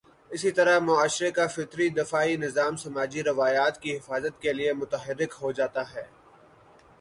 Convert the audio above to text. اسی طرح معاشرے کا فطری دفاعی نظام سماجی روایات کی حفاظت کے لیے متحرک ہو جاتا ہے۔